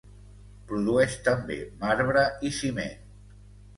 Produeix també marbre i ciment.